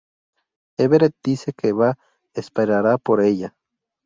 Everett dice que va esperará por ella.